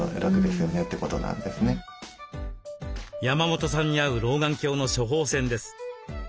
山本さんに合う老眼鏡の処方箋です。